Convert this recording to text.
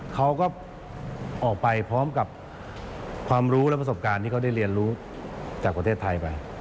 เขาก็ออกไปพร้อมกับความรู้และประสบการณ์ที่เขาได้เรียนรู้จากประเทศไทยไป